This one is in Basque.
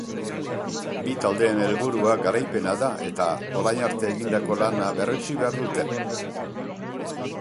Bi taldeen helburua garaipena da eta orain arte egindako lana berretsi behar dute.